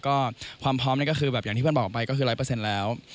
ก็ความพร้อมนี่ก็คืออย่างที่เพื่อนบอกไปก็คือร้อยเปอร์เซ็นต์แล้ว